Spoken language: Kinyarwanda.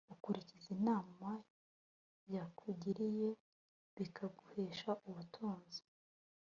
ukurikiza inama yakugiriye bikaguhesha ubutunzi